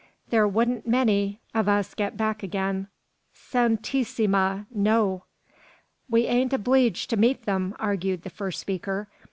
There wouldn't many, of us get back again. Santisima! No." "We ain't obleeged to meet them," argued the first speaker.